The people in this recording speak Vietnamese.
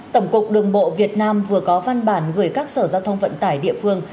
tổng cục đường bộ việt nam vừa có văn bản gửi các sở giao thông vận tải địa phương